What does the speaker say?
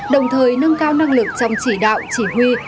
đồng thời nâng cao năng lực trong chỉ đạo chỉ huy